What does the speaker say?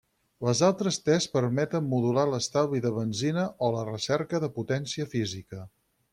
Les altres tres permeten modular l'estalvi de benzina o la recerca de Potència física.